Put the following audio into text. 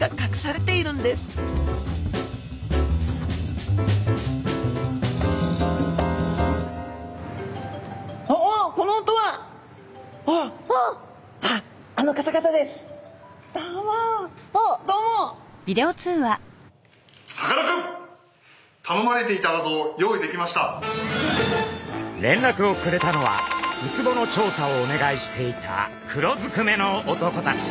れんらくをくれたのはウツボの調査をお願いしていた黒ずくめの男たち。